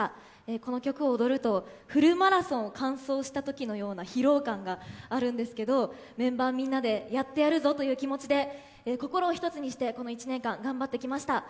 この曲を踊るとフルマラソンを完走したくらい疲労感があるんですけれどもメンバーみんなでやってやるぞという気持ちで心を一つにしてこの１年間、頑張ってきました。